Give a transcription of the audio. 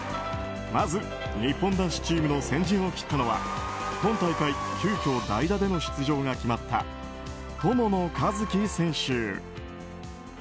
まず日本男子チームの先陣を切ったのは今大会、急きょ代打での出場が決まった友野一希選手。